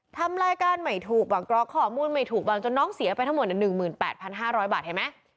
ทำรายการไม่ถูกบางกรอกข้อมูลไม่ถูกบางจนน้องเสียไปทั้งหมด๑๘๕๐๐บาทเห็นไหม